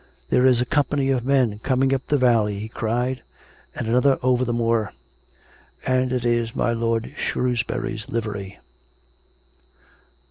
" There is a company of men coming up from the valley," he cried ;" and another over the moor. ... And it is my lord Shrewsbury's livery."